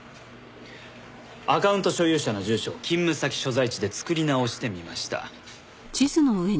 アカウント所有者の住所を勤務先所在地で作り直してみました。